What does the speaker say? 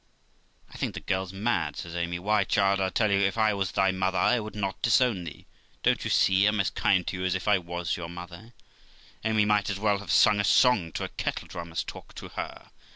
'I think the girl's mad', says Amy; 'why, child, I tell thee, if I was thy mother I would not disown thee; don't you see I am as kind to you as if I was your mother?' Amy might as well have sung a song to a kettledrum, as talk to her.